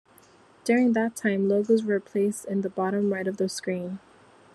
During that time, logos were placed in the bottom-right of the screen.